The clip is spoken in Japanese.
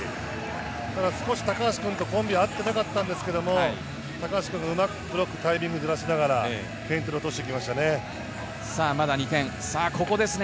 少し高橋君とのコンビ、合ってなかったんですけど、高橋君がうまくブロックのタイミングを崩しながら、フェイントで落としてきましたね。